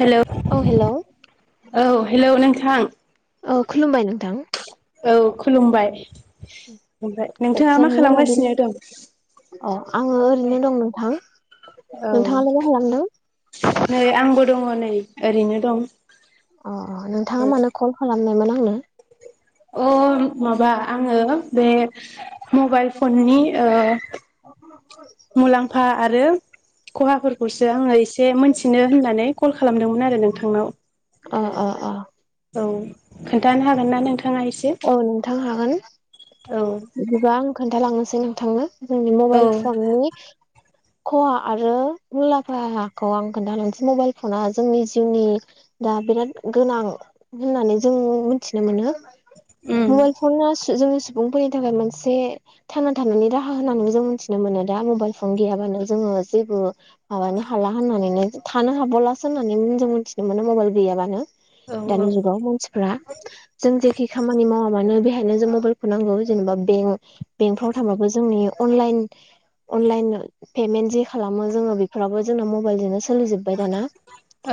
Hello औ hello औ hello नोंथां औ खुलुमबाय नोंथां औ खुलुमबाय ओमफ्राय नोंथाङा गोजोन मा मोनाबिलि खालामगासिनो दं? अ आङो ओरैनो दं नोंथां औ नोंथाङालाय मा खालामदों नै आंबो दङ नै ओरैनो दं अ नोंथाङा मानो कल खालामनायमोन आंनो अ माबा आङो बे मबाइल फननि ओ मुलाम्फा आरो खहाफोरखौसो आङो एसे मोनथिनो होननानै कल खालामदोंमोन आरो नोंथांनाव अ अ अ औ खोन्थानो हागोन ना नोंथां? औ नोंथां हागोन औ बिदिबा आं खोन्थालांनोसै नोंथांनो जोंनि औ मबाइल फननि खहा आरो मुलाम्फाखौ आं खोन्थालानोसै मबाइल फना जोंनि जिउनि दा बिराद गोनां होननानै जों मिथिनो मोनो उम मबाइलफनासो जोंसो सुबुंफोरनि थाखाय मोनसे थांना थनि राहा होननानै जों मिथिनो मोनो दा मबाइल फन गैयाबानो जोङो जेबो माबानो हाला होननानैनो थानो हाबावलासो होननानै जों मिथिनो मोनो मबाइल गैयाबानो औ औ दानि जुगाव मानसिफ्रा जों जेखि खामानि मावा मानो बेहायनो जों मबाइलखौ नांगौ जेनेबा बेंक बेंकफ्राव थांबाबो जोंनि अनलाइन अनलाइन पेमेन्ट जे खालामो जोङो बेफोराबो जों मबाइजोंनो सो सालु जोबबाय दाना औ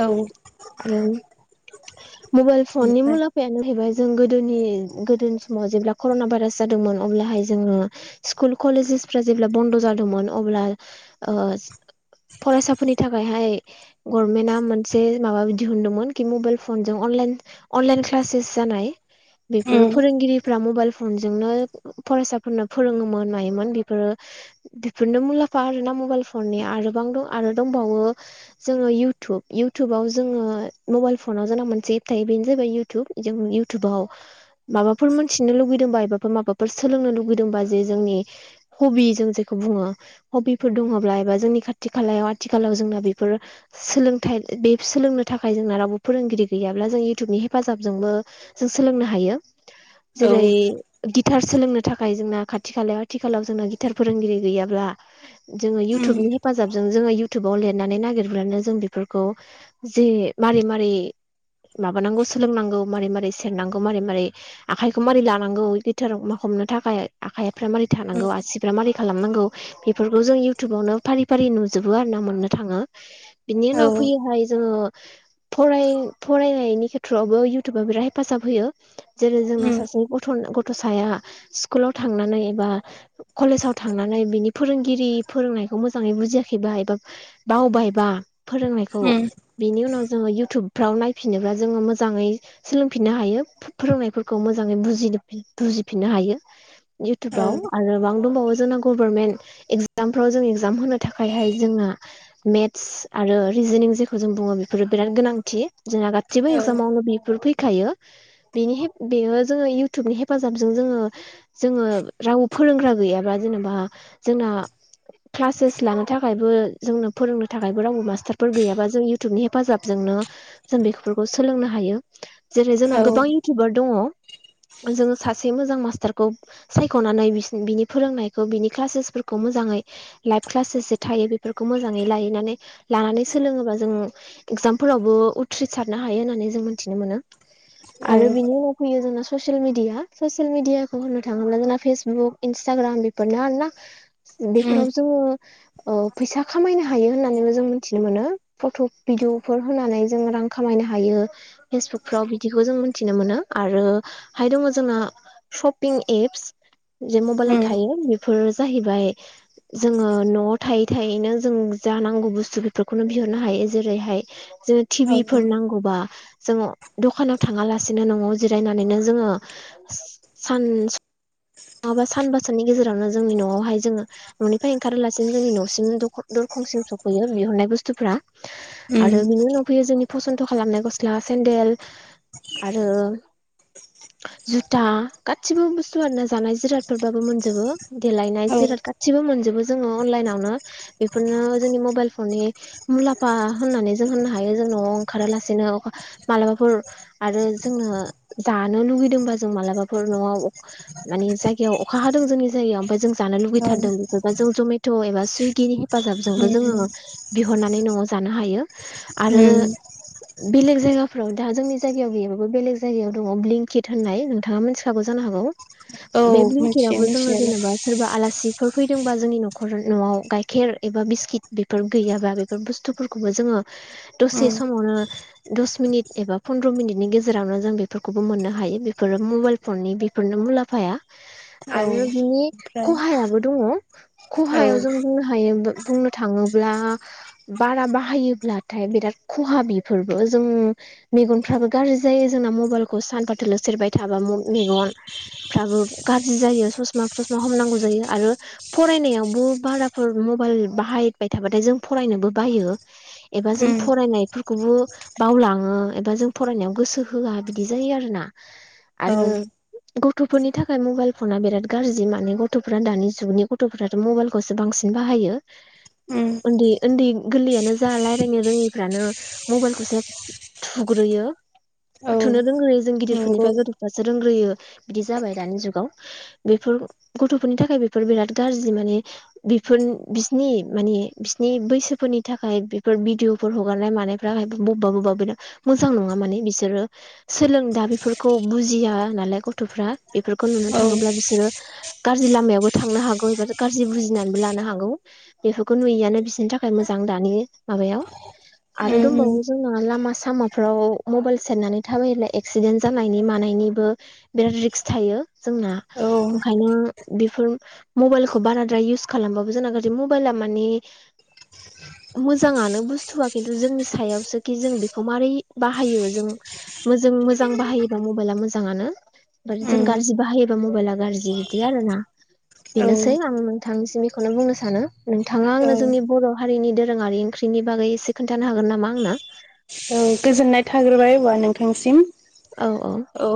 मबाइल फननि ओमफ्राय मुलामफायानो जाहैबाय जों गोदो गोदोनि गोदोनि समाव जेब्ला कर'ना भाइरास जादोंमोन अब्लाहाय जोङो स्कुल कलेजेसफोरा जेब्ला बन्द' जादोंमोन अब्ला ओ फरायसाफोरनि थाखायहाय गरमेन्टआ मोनसे माबा दिहुनदोंमोन कि मबाइल फनजों अनलाइन अनलाइन क्लासेच जानाय बेफोर उम फोरोंगिरिफ्रा मबाइल फनजोंनो फरायसाफोरनो फोरोङोमोन मायोमोन बेफोरो बेफोरनो मुलाम्फा आरोना मबाइफननि आरोबां आरो दंबावो जोङो इउतुब इउतुबआव जोङो मबाइल फनाव जोंना मोनसे एप थायो बेनो जाबाय इउटुब जों इउटुबाव माबाफोर मोनथिनो लुगैदोंबा एबा माबाफोर सोलोंनो लुगैदोंबा जे जोंनि हबि जों जेखौ बुङो हबिफोर दङब्ला एबा जोंनि खाथि खालायाव आथिखालाव जोंना बेफोर सोलोंथाय बे सोलोंनो थाखाय जोंना रावबो फोरोंगिरि गैयाब्ला जों इउटुबनि हेफाजाबजोंबो जों सोलोंनो हायो औ जेरै गिटार सोलोंनो थाखाय जोंना खाथि खालायाव आथिखालाव जोंना गिथार फोरोंगिरि गैयाब्ला जोङो उम इउटुबनि हेफाजाबजों जोङो इयउथुबाव लिरनानै नागिरबानो जों बेफोरखौ जे मारै मारै माबानांगौ सोलोंनांगौ मारै मारै सेरनांगौ मारै मारै आखाइखौ मारै लानांगौ गिटार मा हमनो थाखाय आखाइ फोरा मारै उम थानांगौ आसिफ्रा मारै खालामनांगौ बेफोरखौ जों इउथुबावनो फारि फारि नुजोबो आरो ना मोननो थाङो। बिनि औ उनाव उम फैयोहाय जोङो फराय फरायनायनि खेथ्रआवबो इउटुबा बिराद हे हेफाजाब होयो जेरै जोंना सासे गथ' ग गथसाया स्कुलाव थांनानै एबा कलेजाव थांनानै बिनि फोरोंगिरि फोरोंनाय खौ मोजाङै बुजियाखैबा एबा बावबायबा फोरोंनायखौ उम बिनि उनाव जोङो इउटुबफ्राव नायफिनोब्ला जोङो मोजाङै सोलों फिनो हायो फोरोंनायफोरखौ मोजाङै बुजि बुजिफिननो हायो औ इउटुबाव आरो गोबां दंबावो जोंना गभारनमेन्ट एगजामफ्राव जों इक्जाम होनो थाखायहाय जोंना मेथ्स आरो रिजनिं जेखौ जों बुङो बेफोर बिराद गोनांथि जोंहा गासिबो औ एगजामावनो बेफोर फै खायो बेनि हेफ बेयो जोङो इउटुबनि हेफाजाबजों जोङो जोङो राव फो फोरोंग्रा गैयाब्ला जेनेबा जोंना क्लासेस लानो थाखायबो जोंनो फोरोंनो थाखायबो रावबो मास्टारफोर गैयाबा जों इउटुबनि हेफाजाबजों नो जों बेफोरखौ सोलोंनो हायो जेरै जोंना औ गोबां इउटुबार दङ [inaudible] जोङो सासे मोजां मास्टारखौ सायख'नानै बिसिनि बिनि फोरोंनायखौ बिनि क्लासेसफोरखौ मोजाङै लाइफ क्लासेस जे थायो बेफोरखौ मोजाङै लाहैनानै लानानै सोलोङोब्ला जोङो एगजाम फोरावबो उथ्रिसारनो हायो होननानै जों मोन्थिनो मोनो। [inaudible] आरो बिनि उनाव फैयो जोंना ससियेल मिडिया ससियेल मिडियाखौ होननो थाङोब्ला जोंना फेसबुक इन्स्टाग्राम बेफोरनो आरोना उम बेफोराव जोङो ओ फैसा खामायनो हायो होननानैबो जों मिथिनो मोनो फट' भिडिअफोर होनानै जों रां खामाय नो हायो फेसबुक फ्राव बिदिखौ जों मिथिनो मोनो आरोहाय दङ जोंना शपिं एप्स जे मबाइलाव उम थायो बेफोर जाहैबाय जोङो न'आव थायै थायैनो जों जा नांगौ बुस्थु बेफोरखौनो बि हरनो हायो जेरैहाय जेरै टि औ भि फोर नांगौबा जोङो दखानाव थाङालासिनो न'आव जिरायनानैनो जोङो सान नङाबा सानबासोनि गेजेरावनो जोंनि न'आवहाय जोङो न'निफ्राय ओंखारालासिनो जोंनि न'सिम दर - खंसिम सफैयो बिहरनाय बुस्थुफ्रा उम आरो बिनि उनाव फैयो जोंनि फसन्द' खालामनाय गस्ला सेन्देल आरो जुथा गासिबो बुस्थुआनो जानाय जिरादफोरबाबो मोनजोबो देलायनाय औ जिराद गासैबो मोनजोबो जोङो अनलाइनावनो बेफोरनो जोंनि मबाइल फननि मुलामफा होननानै जों होननो हायो जों न'आव ओंखारालासिनो मालाबाफोर आरो जोंनो जानो लुुबैदोंबा जों मालाबाफोर न'आव माने जायगायाव अखा हादों जोंनि जायगायाव ओमफ्राय जों जानो उम लुुबैथारदों बेफोरबा जों जमेट' एबा सुइगिनि हेफाजाबजोंबो जोङो बिहरनानै न'आव जानो हायो आरो उम बेलेग जायगाफोराव दा जोंनि जायगायाव गैयाबाबो बेलेग जायगायाव दङ ब्लिंकिट होननाय नोंथाङा मिथिखागौ जानो हागौ औ बे मिथियो ब्लिंकेटाबो जोंनाव मिथिनायालाय जेनेबा सोरबा आलासि फोर फैदोंबा जोंनि न'खर आव गाइखेर एबा बिस्किट बेफोर गैयाबा बेफोर बुस्थुफोरखौबो जोङो दसे उम समावनो दस मिनिट एबा पन्द्र मिनिटनि गेजेरावनो जों बेफोरखौबो मोननो हा- यो बेफोरो मबाइल फननि बेफोरनो मुलाम्फाया औ आरो बिनि ओमफ्राय खहायाबो दङ औ खहायाव जों बुंनो हायो बुंनो थाङो- ब्ला बारा बाहायोब्लाथाय बिराद खहा बेफोरबो जों मेगन- थाबो गाज्रि जायो जोंना मबाइलखौ सानफा थोलो सेरबाय थाबा मेगन फ्राबो गाज्रि जायो ससमा थसमा हमनांगौ जायो आरो फरायनायावबो बारा फोर मबाइल बाहायबाय थाबाथाय जों फरायनोबो बायो एबा जों उम फरायनायफोरखौबो बावलाङो एबा जों फरायनायाव गोसो होआ बिदि जायो आरोना औ आरो गथ'फोरनि थाखाय मबाइल फना बिराद गाज्रि माने गथ'फोरा दानि जुगनि गथ'फोराथ' मबाइलखौसो बांसिन बाहायो उम उन्दै उन्दै गोरलैयानो जा रायजलायनो रोङैफ्रानो मबाइलखौसो थुग्रोयो औ थुनो रोंग्रोयो जों नंगौ गिदिरफोरनिफ्राय गथ'फ्रासो रों- ग्रोयो बिदि जाबाय दानि जुगाव बेफोर गथ'फोरनि थाखाय बेफोर बिराद गाज्रि माने बिफोर बिसिनि माने बिसिनि बैसोफोरनि थाखाय बेफोर भिडिअफोर हगारनाय मानायफोर रि बबेबा बबेबा बिराद मोजां नङा माने बिसोरो सोलों दा बेफोरखौ बुजिया नालाय गथ'फ्रा बेफोरखौ नुनो औ थाङोब्ला बिसोरो गाज्रि लामायावबो थांनो हागौ एबा गाज्रि बुजि नानैबो लानो हागौ बेफोरखौ नुयैआनो बिसोरनि थाखाय मोजां दानि माबायाव आरो उम दंबावो जोंना लामा सामाफ्राव मबाइल सेरनानै थाबायोलाय एक्सिडेन्ट जानायनि मानाय निबो बिराद रिक्स थायो जोंना औ ओंखायनो बेफोर मबाइलखौ बाराद्राय इउ- स खालामबाबो जोंना गाज्रि मबाइला माने मोजाङानो बुस्थुआ खिन्थु जोंनि सायावसो खि जों बेखौ मारै बाहायो जों मोजों- मोजां बाहायोबा मबाइला मोजाङानो ओमफाय उम औ जों गाज्रि बाहायोबा मबाइला गाज्रि बिदि आरो ना बेनोसै आं नोंथांनिसिम बेखौनो बुंनो सानो नोंथाङा औ आंनो जोंनि बर' हारिनि दोरोङारि ओंख्रि नि बागै एसे खोनथानो हागोन नामा आंनो औ गोजोननाय थाग्रोबाय अब्ला नोंथांसिम औ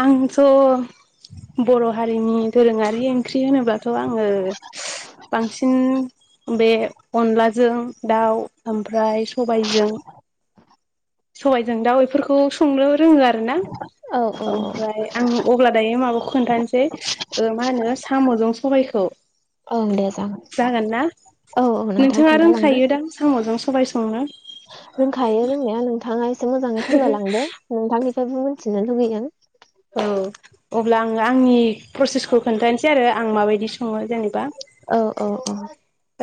आंथ' बर' हारिनि दोरोङारि ओंख्रि होनोब्लाथ' आङो बांसिन बे अनलाजों दाउ ओमफ्राय सबायजों सबायाइजों दाउ बेफोरखौ संनो रोङो आरो ना औ औ औ ओमफ्राय आं अब्ला दायो माबाखौ खोन्थानोसै मा होनो साम'जों सबायखौ औ दे जागोन ना औ औ नोंथां नोंथाङा खोन्थालांदो रोंखायो दां साम'जों स बाय संनो रोंखायो रोंनाया नोंथाङा एसे मोजाङै फोरमायलांदो नोंथांनि फ्रायबो मिथिनो लुगैयो औ अब्ला आङो आंनि प्रसेसखौ खोन्थानोसै आरो आं माबायदि सङो औ औ औ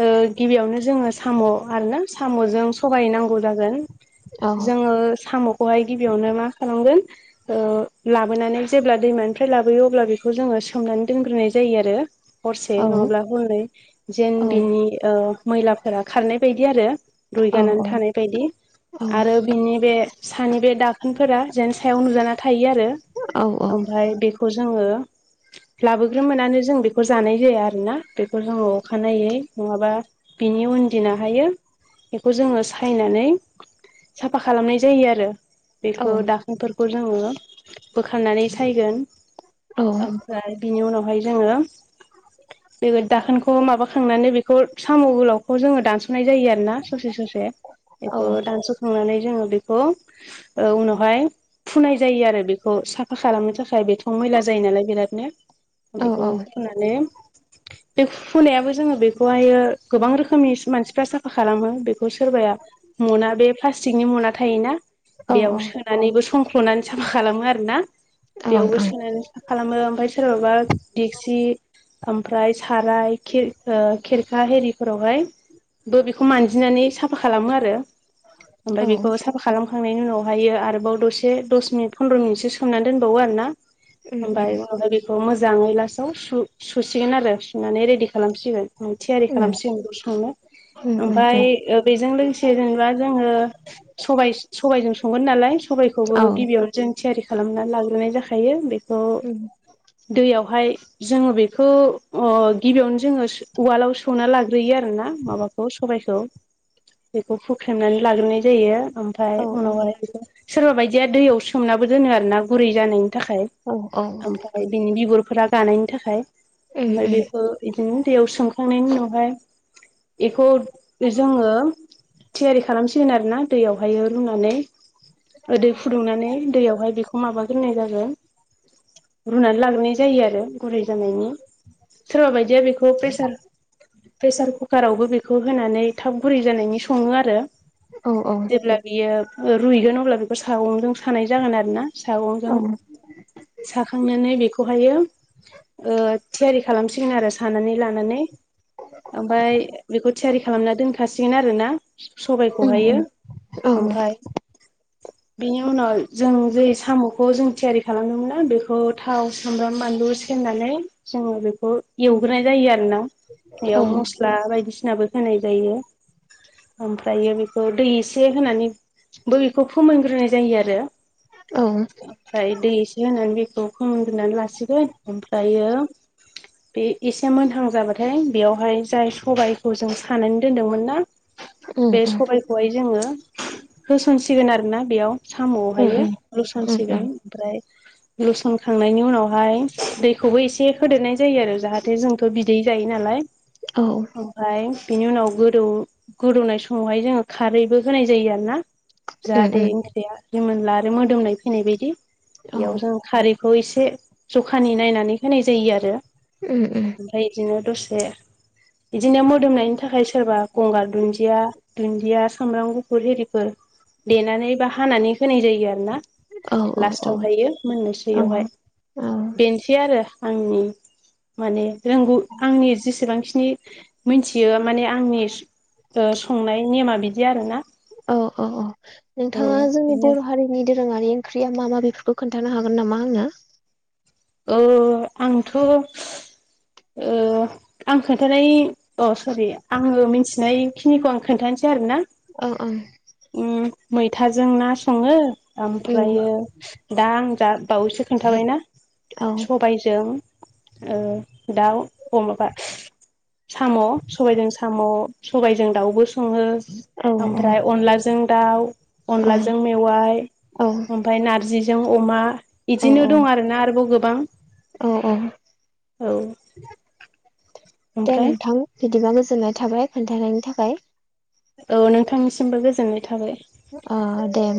ओ गिबियावनो जोङो साम' आरोना साम'जों सगाय नांगौ जागोन जोङो साम'खौहाय गिबियावनो मा खालामगोन लाबोनानै जेब्ला दैमानिफ्राय लाबोयो अब्ला बेखौ जोङो सोमनानै दोनग्रोनाय जायो आरो हरसे औ नङाब्ला हरनै जेन औ बिनि ओ मैलाफोरा खारनाय बायदि आरो औ रुइगानानै थानाय बायदि औ आरो बिनि बे सानि बे दाखोनफोरा जेन सायाव नुजाना थायो आरो औ औ ओमफ्राय बेखौ जोङो लाबोग्रोमोननानै जों बेखौ जानाय जाया आरोना बेखौ जोङो अखानायै नङाबा बिनि उनदिनाहायो बेखौ जोङो सायनानै साफा खालामनाय जायो आरो बेखौ दाखोनफोरखौ जोङो बोखारनानै सायगोन औ ओं ओमफ्राय बिनि उनावहाय जोङो बे दाखोनखौ माबाखांनानै बेखौ साम' गोलावखौ जोङो दान्स सनाय जायो आरोना ससे ससे बेखौ दानस'खांनानै जों बेखौ उनावहाय फुनाय जायो आरो बेखौ साफा खालामनो थाखाय बे खौ मैला जायो नालाय बिरादनो ओं बेखौ फुनानै बे फुनायाबो जोङो बे बेखौहायो गोबां रोखोमनि मानसिफ्रा साफा खालामो बे बे सोरबाया मना बे प्लास्टिकनि मना थायोना बेयाव सोनानैबो संख नानै साफा खालामो आरो ना? बेयावबो सोनानै सा खालामो ओमफ्राय सोरबाबा दिगसि ओमफ्राय साराय खेर ओ खेरखा हेरिफोरावहाय बे बेखौ मानजिनानै साफा खालामो आरो औ ओमफ्राय बेखौ साफा खालाम खांनायनि उनावहायो आरोबाव दसे दस मिनिट फन्द्र' मिनिटसो सोमनानै दोनबावो आरोना उम उम ओमफ्राय उहाय बेखौ मोजाङै लास्टाव सु सुसिगोन आरो सुनानै रेडि खालामसिगोन थियारि खालामसिगोन ओंख्रि संनो उम उम ओमफाय उम बेजों लोगोसे जेनेबा जोङो सबाय सबायजों संगोन नालाय सबायखौबो औ गिबियावनो जों थियारि खालामनानै लाग्रोनाय जाखायो बेखौ उम दैयाव बेहाय जोङो बेखौ ओ गिबियावनो जोङो सु उवालाव सौना लाग्रोयो आरोना माबाखौ सबायखौ बेखौ फुख्रेमनानै लाग्रोनाय जायो ओमफाय औ उनावहाय सोरबा बायदिया दैयाव सोमनाबो दोनो आरोना गुरै जानो थाखाय औ औ ओमफ्राय बिनि बिगुरफोरा गानायनि थाखाय उम ओमफ्राय उम बेखौ बिदिनो दैयाव सोमखांनायनि उनावहाय बेखौ जोङो थियारि खालामसिगोन आरो ना दैयावहायो रुनानै ओ उदै फुदुंनानै दैयावहाय बेखौ माबाग्रनाय जागोन रुनानै लाग्रोनाय जायो आरो गुरै जानायनि सोरबा बायदिया बेखौ प्रेसार प्रेसार कुकारावबो बेखौ होनानै थाब गुरै जानायनि सङो आरो औ जेब्ला बियो रुइगोन अब्ला बेखौ सागंजों सानाय जागोन आरो ना औ सागंजों साखांनानै बेखौ खौहायो ओ थियारि खालामसिगोन आरो सानानै लानानै ओमफाय बेखौ थियारि खालामना दोनखाासिगोन आरो ना उम सबायखौहायो उम औ ओमफाय बेनि उनाव जों जै साम'खौ जों थियारि खालामदोंमोनना बेखौ थाव सामब्राम बानलु सेरनानै जोङो बेखौ एवग्रोनाय जायो आरो ना औ बेयाव मस्ला बायदिसिना नाबो होनाय जायो ओमफ्रायो बेखौ दै एसे होनानै बैखौ फोमोनग्रोनाय जायो आरो ओमफ्राय दै एसे होनानै बेखौ फोमोनग्रानै लासिगोन ओमफ्रायो बे एसे मोनहां जाबाथाय बेयावहाय जाय सबाइखौ जों सानानै दोनदोंमोन ना उम बे उम सबाइखौहाय जोङो होसनसिगोन आरोना बेयाव उम उम साम'आवहायो औ उम औ उम लुसनसिगोन उम ओमफ्राय लुसनखांनायनि उनावहाय दैखौबो एसे होदेरनाय जायो आरो जाहाथे जोंथ' बिदै जायो नालाय औ ओमफ्राय बिनि उनाव गोदौ गोदौनाय समावहाय जोङो खारैबो होनाय जायो आरो ना। औ जाहाथे ओंख्रिया रिमोनला आरो मोदोमनाय फैनाय बायदि बेयाव जों खारै खौ एसे जखानि नायनानै होनाय जायो आरो ओमफ्राय बिदिनो दसे [inaudible] बिदिनो मोदोमनायनि थाखाय सोरबा गंगार दुन्दिया दुन्दिया सामब्राम गुफुर हिरिफोर देनानै बा हानानै होनाय जायो आरो ना औ लास्टावहायो मोननोसैयावहाय औ बेनोसै आरो आंनि माने रोंगौ आंनि जेसेबां खिनि मिथियो माने आंनि संनाय नेमा बिदि आरोना औ औ औ औ नोंथाङा जोंनि बेनो बर' हारिनि दोरोङारि ओंख्रिया मा मा बेफोरखौ खोन्थानो हागोन नामा आंनो अ आंथ' आं खोनथानाय अ सरि आंङो मिथिनायखिनिखौ आं खोन्थानोसै आरोना औ औ मैथाजों ना संङो उम ओमफ्रायो दा आं दा बावैसो खोन्थाबायना औ सबायजों दाउ अमाबा साम' सबायजों साम' सबायजों दाउबो सङो औ ओमफ्राय अनलाजों दाउ औ अनलाजों मेवाय ओमफ्राय नारजि जों अमा इदिनो दं आरोना आरोबाव गोबां अ अ औ दे ओमफ्राय नोंथां बिदिबा गोजोननाय थाबाय खोन्थानायनि थाखाय औ नोंथांनिसिमबो गोजोननाय थाबाय ओ दे